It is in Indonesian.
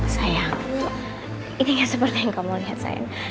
sayang ini gak seperti yang kamu lihat sayang